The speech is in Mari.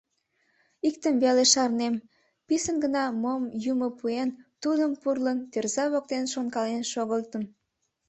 Иктым веле шарнем, писын гына мом Юмо пуэн, тудым пурлын, тӧрза воктен шонкален шогылтым.